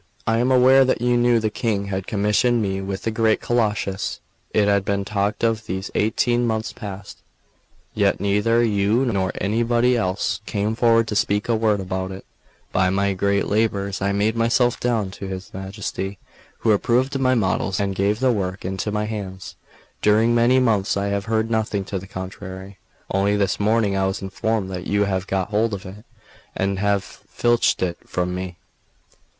I am aware that you knew the King had commissioned me with that great Colossus; it had been talked of these eighteen months past; yet neither you nor anybody else came forward to speak a word about it. By my great labours I made myself known to his Majesty, who approved of my models and gave the work into my hands. During many months I have heard nothing to the contrary; only this morning I was informed that you have got hold of it, and have filched it from me.